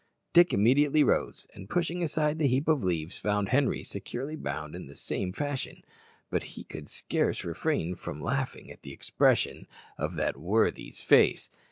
Dick immediately rose, and pushing aside the heap of leaves, found Henri securely bound in the same fashion. But he could scarce refrain from laughing at the expression of that worthy's face.